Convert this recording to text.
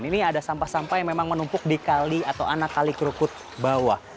ini ada sampah sampah yang memang menumpuk di kali atau anak kali kerukut bawah